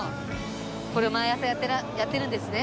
これを毎朝やってるんですね。